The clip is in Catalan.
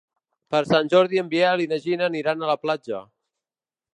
Per Sant Jordi en Biel i na Gina aniran a la platja.